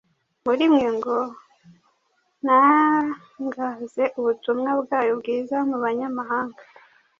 muri mwe ngo ntangaze Ubutumwa bwayo bwiza mu banyamahanga,